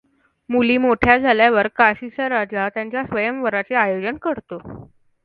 मुली मोठ्या झाल्यावर काशीचा राजा त्यांच्या स्वयंवराचे आयोजन करतो.